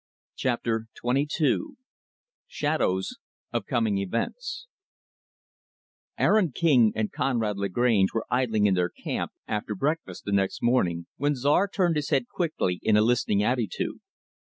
Chapter XXII Shadows of Coming Events Aaron King and Conrad Lagrange were idling in their camp, after breakfast the next morning, when Czar turned his head, quickly, in a listening attitude.